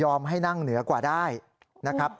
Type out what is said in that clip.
ให้นั่งเหนือกว่าได้นะครับ